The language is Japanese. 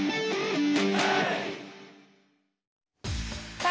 さあ